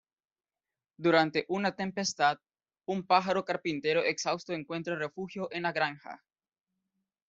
Durante una tempestad, un pájaro carpintero exhausto encuentra refugio en la granja.